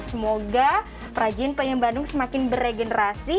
semoga perajin penyam bandung semakin beregenerasi